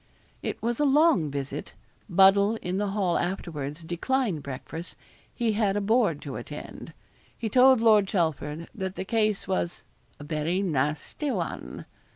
It was a long visit. Buddle in the hall afterwards declined breakfast he had a board to attend. He told Lord Chelford that the case was 'a very nasty one.'